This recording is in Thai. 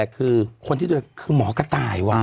คือคนที่นี่คือหมอกระต่ายหมอ